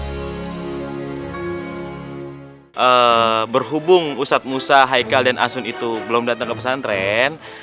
setelah berhubung ustadz musa haikal dan asun itu belum datang ke pesantren